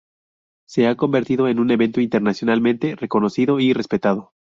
Se ha convertido en un evento internacionalmente reconocido y respetado.